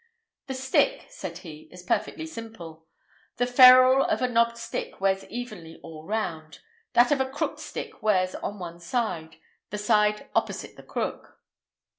"The stick," said he, "is perfectly simple. The ferrule of a knobbed stick wears evenly all round; that of a crooked stick wears on one side—the side opposite the crook.